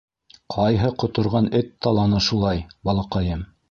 Ҡайһы ҡоторған эт таланы шулай, балаҡайым?